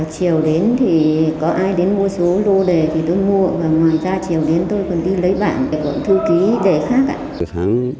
chiều đến thì có ai đến mua số lô đề thì tôi mua và ngoài ra chiều đến tôi còn đi lấy bảng để gọi thư ký đề khác